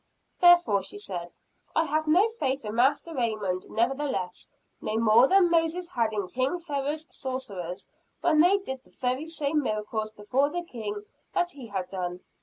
Therefore she said, "I have no faith in Master Raymond nevertheless; no more than Moses had in King Pharaoh's sorcerers, when they did the very same miracles before the king that he had done.